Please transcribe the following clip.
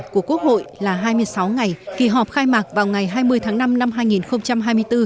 của quốc hội là hai mươi sáu ngày kỳ họp khai mạc vào ngày hai mươi tháng năm năm hai nghìn hai mươi bốn